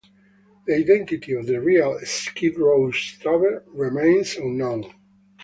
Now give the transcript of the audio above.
The identity of the real Skid Row Stabber remains unknown.